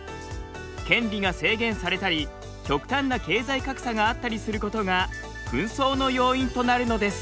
権利が制限されたり極端な経済格差があったりすることが紛争の要因となるのです。